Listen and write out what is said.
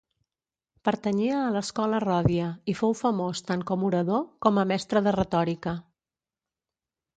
Pertanyia a l'escola ròdia, i fou famós tant com orador com a mestre de retòrica.